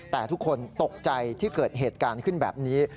แต่ทุกคนตกใจที่เกิดเหตุการณ์ขึ้นแบบนี้